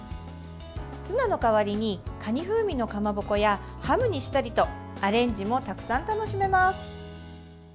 ツナの代わりにかに風味のかまぼこやハムにしたりとアレンジもたくさん楽しめます。